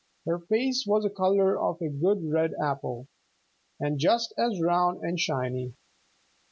Her face was the color of a good red apple, and just as round and shiny.